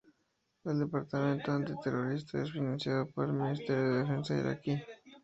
El Departamento Anti-Terrorista es financiado por el Ministerio de Defensa Iraquí.